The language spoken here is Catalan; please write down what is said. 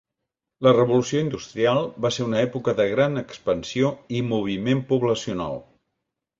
La Revolució Industrial va ser una època de gran expansió i moviment poblacional.